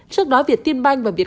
trước đó việt tiên banh và việt